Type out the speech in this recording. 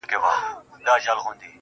o داده غاړي تعويزونه زما بدن خوري.